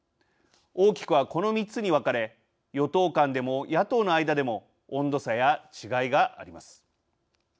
大きくは、この３つに分かれ与党間でも野党の間でも温度差や違いがあります。